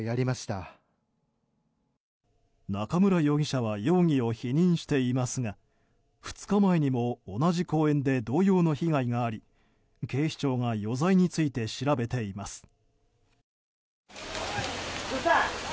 中村容疑者は容疑を否認していますが２日前にも、同じ公園で同様の被害があり警視庁が余罪について調べています。